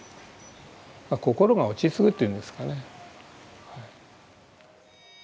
心が落ち着くというんですかね。